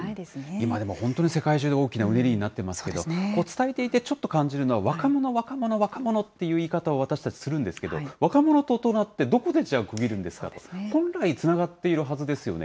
今、でも本当に世界中で大きなうねりになってますけど、伝えていてちょっと感じるのは、若者、若者、若者っていう言い方を私たちするんですけれども、若者と大人ってどこでじゃあ区切るんですかと、本来つながっているはずですよね。